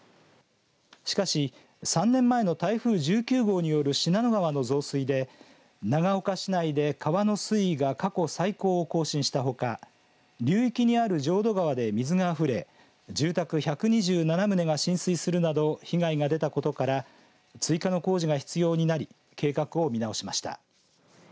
しかし３年前の台風１９号による信濃川の増水で長岡市内で川の水位が過去最高を更新したほか流域にある浄土川で水があふれ住宅１２７棟が浸水するなど被害が出たことから追加の工事が必要になり計画を見直しました。